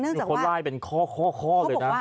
นึกจากว่าคือคนลายเป็นข้อเค้าบอกว่า